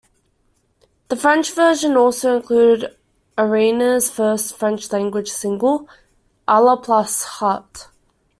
The French version also included Arena's first French-language single, "Aller plus haut".